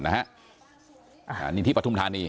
นี่ที่ประถุมธานี